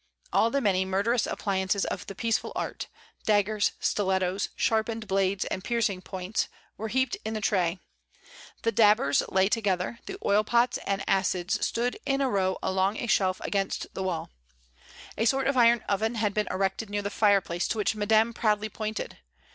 All the many murderous appliances of the peaceful art — daggers, stilettos, sharpened blades and piercing points — were heaped in the tray; the dabbers lay together, the oil pots and acids stood in a row along 78 MRS. DYMOND. a shelf against the wall. A sort of iron oven had been erected near the fireplace, to which Madame proudly pointed.